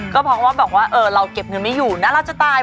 ก็เพราะว่าบอกว่าเราเก็บเงินไม่อยู่นะเราจะตาย